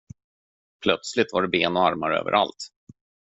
Plötsligt var det ben och armar överallt.